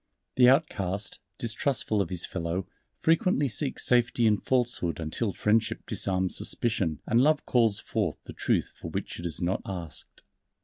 The outcast, distrustful of his fellow, frequently seeks safety in falsehood until friendship disarms suspicion and Love calls forth the Truth for which it has not asked.